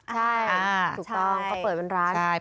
ใช่ถูกต้องเขาเปิดเป็นร้าน